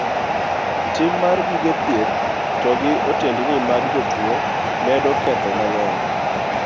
Tin mar gige thieth to gi otendni mag jotuo medo ketho mang'eny.